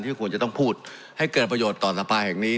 ควรจะต้องพูดให้เกิดประโยชน์ต่อสภาแห่งนี้